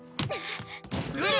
ルル！